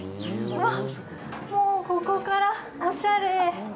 うわっ、もうここからオシャレ。